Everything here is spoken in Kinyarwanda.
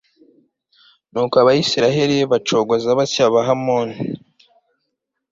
nuko abayisraheli bacogoza batyo abahamoni